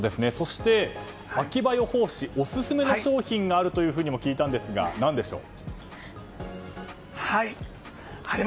そして秋葉予報士オススメの商品があるというふうにも聞いたんですが、何でしょう。